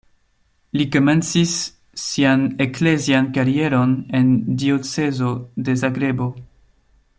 Li komencis sian eklezian karieron en diocezo de Zagrebo.